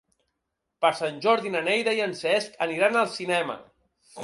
Per Sant Jordi na Neida i en Cesc aniran al cinema.